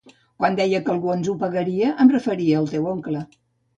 Quan deia que algú ens ho pagaria, em referia al teu oncle.